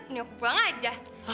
dia aku pulang aja